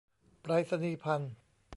ไปรษณีย์ภัณฑ์